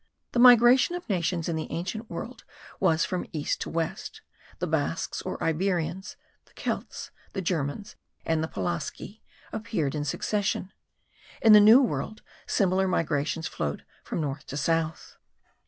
The migration of nations in the ancient world was from east to west; the Basques or Iberians, the Celts, the Germans and the Pelasgi, appeared in succession. In the New World similar migrations flowed from north to south.